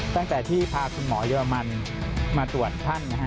ตั้งแต่ที่พาคุณหมอเยอรมันมาตรวจท่านนะฮะ